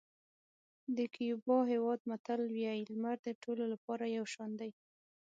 د کیوبا هېواد متل وایي لمر د ټولو لپاره یو شان دی.